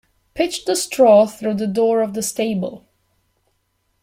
Pitch the straw through the door of the stable.